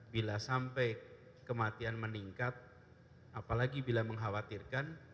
bila sampai kematian meningkat apalagi bila mengkhawatirkan